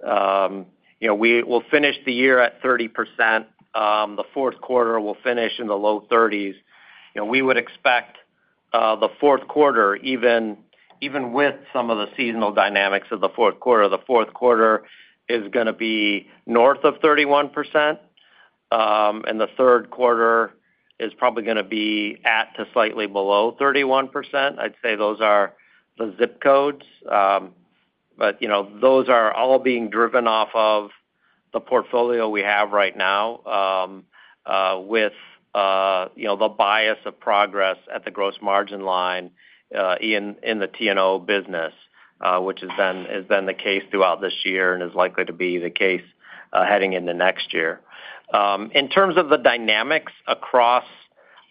We'll finish the year at 30%. The fourth quarter, we'll finish in the low 30s. We would expect the fourth quarter, even with some of the seasonal dynamics of the fourth quarter, the fourth quarter is going to be north of 31%. And the third quarter is probably going to be at to slightly below 31%. I'd say those are the zip codes. But those are all being driven off of the portfolio we have right now with the bias of progress at the gross margin line in the T&O business, which has been the case throughout this year and is likely to be the case heading into next year. In terms of the dynamics across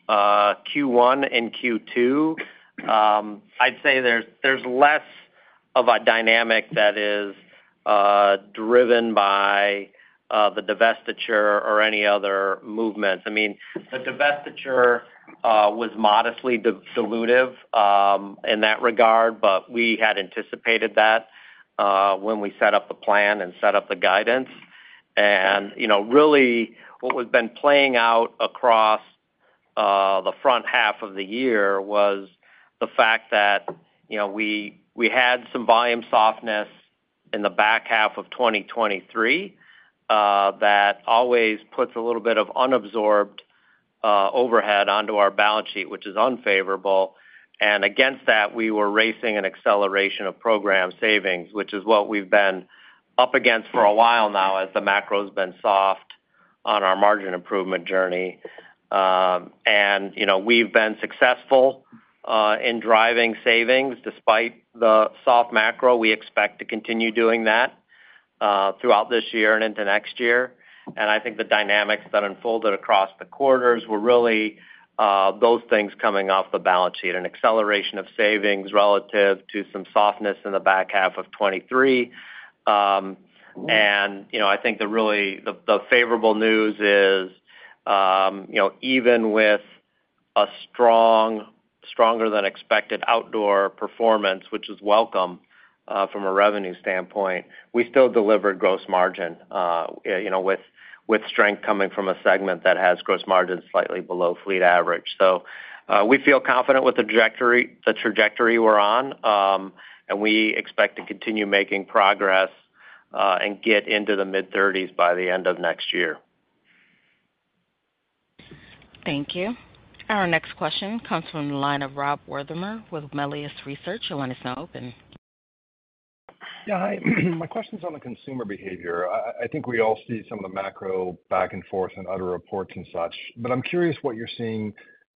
Q1 and Q2, I'd say there's less of a dynamic that is driven by the divestiture or any other movements. I mean, the divestiture was modestly dilutive in that regard, but we had anticipated that when we set up the plan and set up the guidance. Really, what we've been playing out across the front half of the year was the fact that we had some volume softness in the back half of 2023 that always puts a little bit of unabsorbed overhead onto our balance sheet, which is unfavorable. And against that, we were facing an acceleration of program savings, which is what we've been up against for a while now as the macro has been soft on our margin improvement journey. And we've been successful in driving savings despite the soft macro. We expect to continue doing that throughout this year and into next year. And I think the dynamics that unfolded across the quarters were really those things coming off the balance sheet, an acceleration of savings relative to some softness in the back half of 2023. And I think the favorable news is even with a stronger-than-expected outdoor performance, which is welcome from a revenue standpoint, we still delivered gross margin with strength coming from a segment that has gross margins slightly below fleet average. So we feel confident with the trajectory we're on, and we expect to continue making progress and get into the mid-30s by the end of next year. Thank you. Our next question comes from the line of Rob Wertheimer with Melius Research. Your line is now open. Yeah, hi. My question's on the consumer behavior. I think we all see some of the macro back and forth in other reports and such. But I'm curious what you're seeing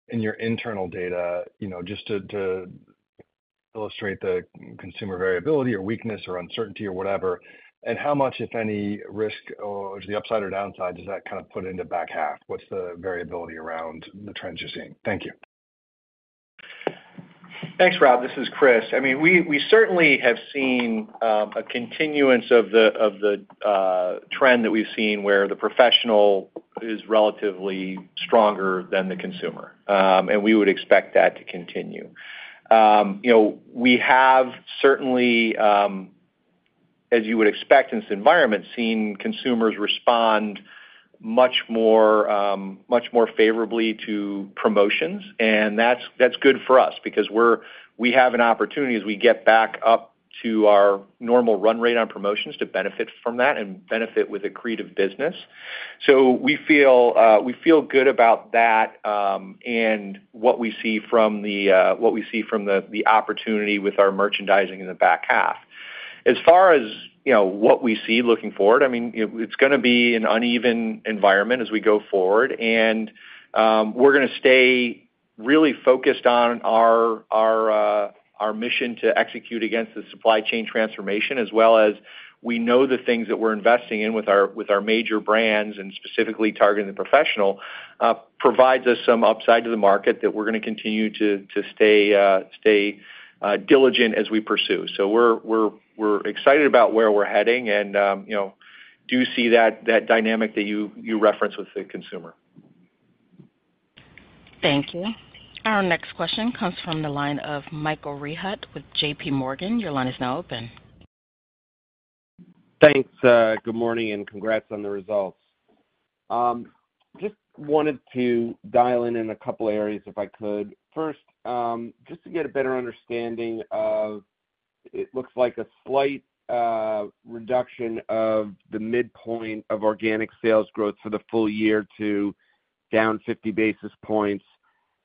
in your internal data just to illustrate the consumer variability or weakness or uncertainty or whatever, and how much, if any, risk or the upside or downside does that kind of put into back half? What's the variability around the trends you're seeing? Thank you. Thanks, Rob. This is Chris. I mean, we certainly have seen a continuance of the trend that we've seen where the professional is relatively stronger than the consumer, and we would expect that to continue. We have certainly, as you would expect in this environment, seen consumers respond much more favorably to promotions. And that's good for us because we have an opportunity as we get back up to our normal run rate on promotions to benefit from that and benefit with a creative business. So we feel good about that and what we see from the what we see from the opportunity with our merchandising in the back half. As far as what we see looking forward, I mean, it's going to be an uneven environment as we go forward. And we're going to stay really focused on our mission to execute against the supply chain transformation, as well as we know the things that we're investing in with our major brands and specifically targeting the professional provides us some upside to the market that we're going to continue to stay diligent as we pursue. So we're excited about where we're heading and do see that dynamic that you referenced with the consumer. Thank you. Our next question comes from the line of Michael Rehaut with J.P. Morgan. Your line is now open. Thanks. Good morning and congrats on the results. Just wanted to dial in in a couple of areas if I could. First, just to get a better understanding of, it looks like a slight reduction of the midpoint of organic sales growth for the full year to down 50 basis points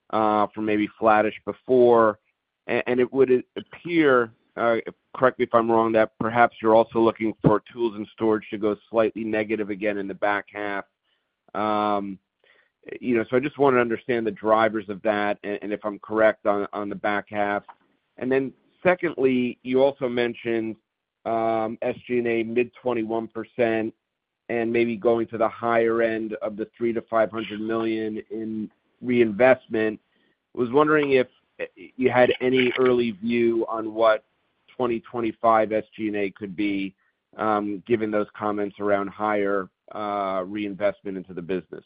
from maybe flattish before. And it would appear, correct me if I'm wrong, that perhaps you're also looking for tools and storage to go slightly negative again in the back half. So I just want to understand the drivers of that and if I'm correct on the back half. And then secondly, you also mentioned SG&A mid-21% and maybe going to the higher end of the $300 million-$500 million in reinvestment. I was wondering if you had any early view on what 2025 SG&A could be given those comments around higher reinvestment into the business.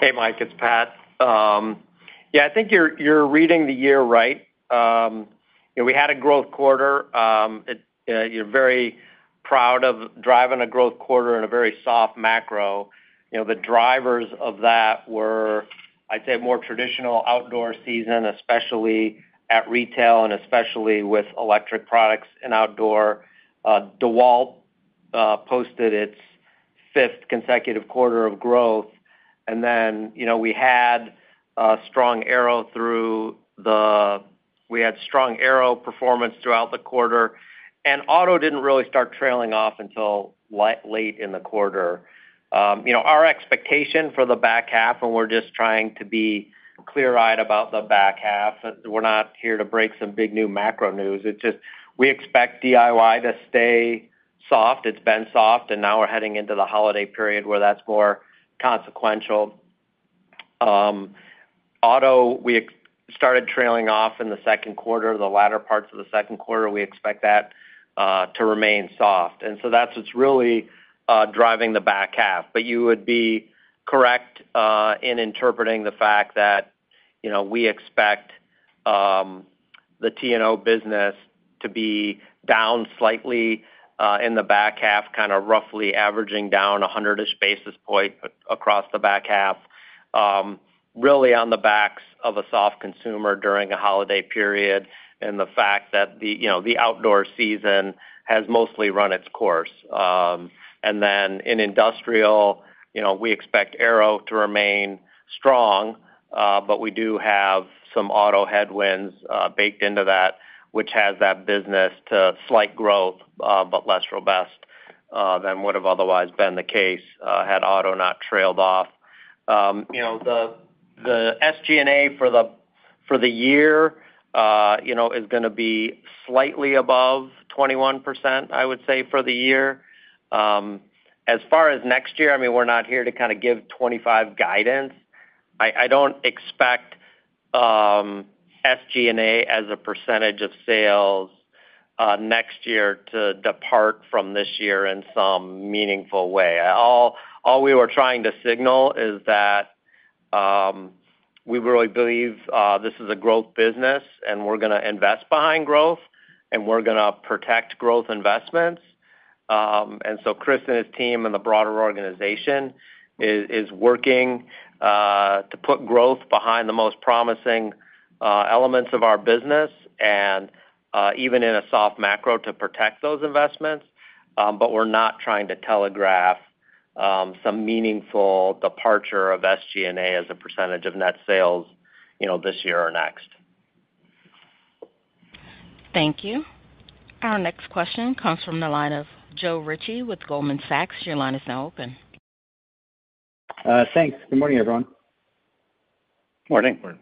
Hey, Mike, it's Pat. Yeah, I think you're reading the year right. We had a growth quarter. We're very proud of driving a growth quarter in a very soft macro. The drivers of that were, I'd say, more traditional outdoor season, especially at retail and especially with electric products and outdoor. DEWALT posted its fifth consecutive quarter of growth. And then we had stronger—we had strong performance throughout the quarter. And auto didn't really start trailing off until late in the quarter. Our expectation for the back half, and we're just trying to be clear-eyed about the back half. We're not here to break some big new macro news. It's just we expect DIY to stay soft. It's been soft, and now we're heading into the holiday period where that's more consequential. Auto, we started trailing off in the second quarter, the latter parts of the second quarter. We expect that to remain soft. So that's what's really driving the back half. But you would be correct in interpreting the fact that we expect the T&O business to be down slightly in the back half, kind of roughly averaging down 100-ish basis points across the back half, really on the backs of a soft consumer during a holiday period and the fact that the outdoor season has mostly run its course. And then in industrial, we expect aero to remain strong, but we do have some auto headwinds baked into that, which has that business to slight growth, but less robust than would have otherwise been the case had auto not trailed off. The SG&A for the year is going to be slightly above 21%, I would say, for the year. As far as next year, I mean, we're not here to kind of give 2025 guidance. I don't expect SG&A as a percentage of sales next year to depart from this year in some meaningful way. All we were trying to signal is that we really believe this is a growth business, and we're going to invest behind growth, and we're going to protect growth investments. And so Chris and his team and the broader organization is working to put growth behind the most promising elements of our business and even in a soft macro to protect those investments. But we're not trying to telegraph some meaningful departure of SG&A as a percentage of net sales this year or next. Thank you. Our next question comes from the line of Joe Ritchie with Goldman Sachs. Your line is now open. Thanks. Good morning, everyone. Good morning.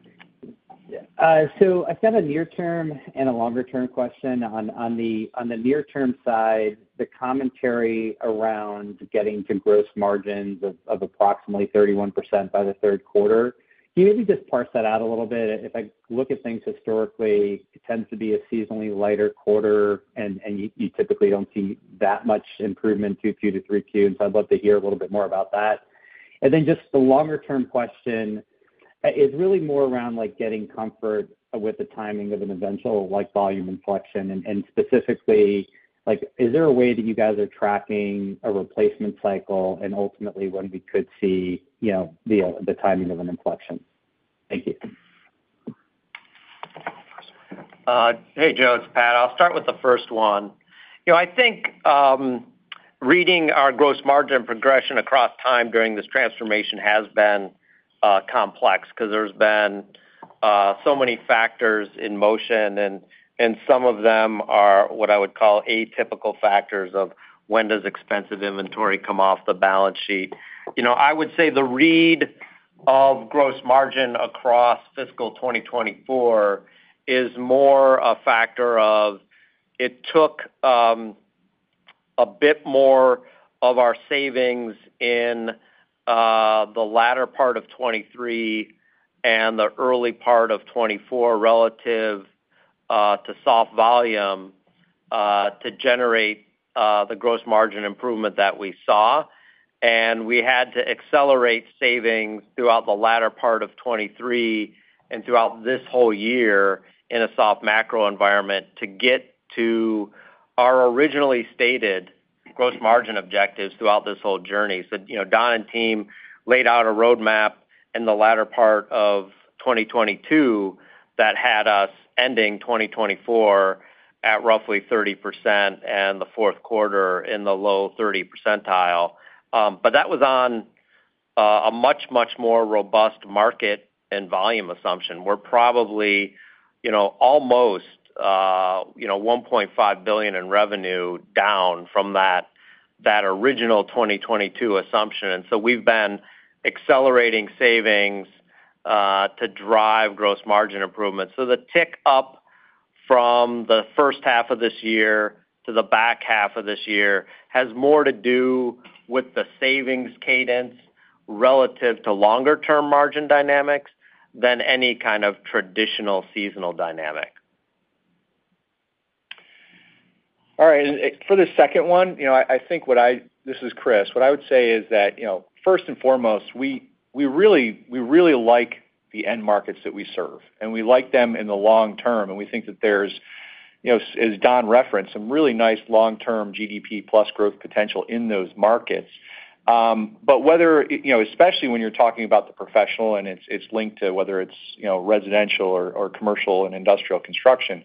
So I've got a near-term and a longer-term question. On the near-term side, the commentary around getting to gross margins of approximately 31% by the third quarter, can you maybe just parse that out a little bit? If I look at things historically, it tends to be a seasonally lighter quarter, and you typically don't see that much improvement from Q2 to Q3. I'd love to hear a little bit more about that. And then just the longer-term question is really more around getting comfort with the timing of an eventual volume inflection. And specifically, is there a way that you guys are tracking a replacement cycle and ultimately when we could see the timing of an inflection? Thank you. Hey, Joe. It's Pat. I'll start with the first one. I think reading our gross margin progression across time during this transformation has been complex because there's been so many factors in motion, and some of them are what I would call atypical factors of when does expensive inventory come off the balance sheet. I would say the read of gross margin across fiscal 2024 is more a factor of it took a bit more of our savings in the latter part of 2023 and the early part of 2024 relative to soft volume to generate the gross margin improvement that we saw. We had to accelerate savings throughout the latter part of 2023 and throughout this whole year in a soft macro environment to get to our originally stated gross margin objectives throughout this whole journey. So Don and team laid out a roadmap in the latter part of 2022 that had us ending 2024 at roughly 30% and the fourth quarter in the low 30s percentile. But that was on a much, much more robust market and volume assumption. We're probably almost $1.5 billion in revenue down from that original 2022 assumption. And so we've been accelerating savings to drive gross margin improvement. So the tick up from the first half of this year to the back half of this year has more to do with the savings cadence relative to longer-term margin dynamics than any kind of traditional seasonal dynamic. All right. For the second one, I think what I—this is Chris—what I would say is that first and foremost, we really like the end markets that we serve, and we like them in the long term. And we think that there's, as Don referenced, some really nice long-term GDP plus growth potential in those markets. But whether, especially when you're talking about the professional, and it's linked to whether it's residential or commercial and industrial construction.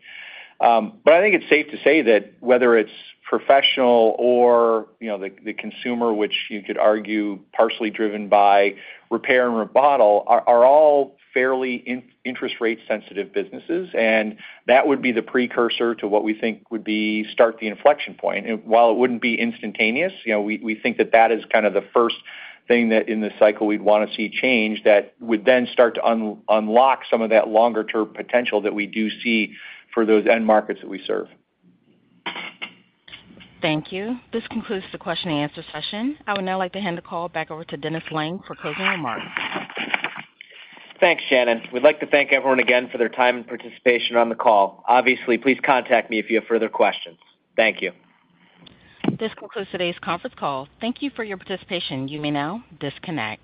But I think it's safe to say that whether it's professional or the consumer, which you could argue partially driven by repair and remodel, are all fairly interest rate-sensitive businesses. And that would be the precursor to what we think would be start the inflection point. And while it wouldn't be instantaneous, we think that that is kind of the first thing that in the cycle we'd want to see change that would then start to unlock some of that longer-term potential that we do see for those end markets that we serve. Thank you. This concludes the question and answer session. I would now like to hand the call back over to Dennis Lange for closing remarks. Thanks, Shannon. We'd like to thank everyone again for their time and participation on the call. Obviously, please contact me if you have further questions. Thank you. This concludes today's conference call. Thank you for your participation. You may now disconnect.